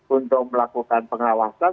untuk melakukan pengawasan